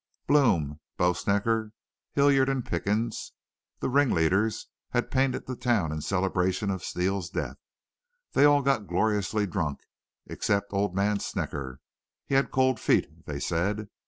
"Blome, Bo Snecker, Hilliard, and Pickens, the ringleaders, had painted the town in celebration of Steele's death. They all got gloriously drunk except old man Snecker. He had cold feet, they said.